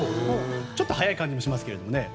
ちょっと早い感じもしますけどね。